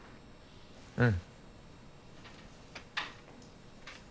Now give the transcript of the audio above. うん。